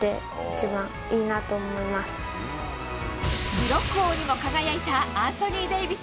ブロック王にも輝いたアンソニー・デイビス